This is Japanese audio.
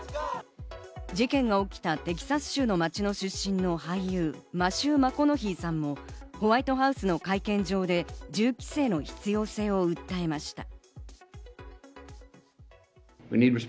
事件が起きたテキサス州の町の出身の俳優マシュー・マコノヒーさんも、ホワイトハウスの会見場で銃規制の必要性を訴えました。